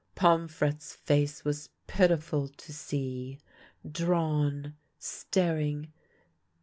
Pomfrette's face was pitiful to see — drawn, staring.